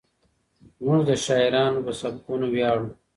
موږ د شاعرانو په سبکونو ویاړو.